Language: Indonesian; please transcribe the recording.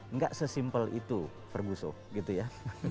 enggak sesimple itu ferguson gitu ya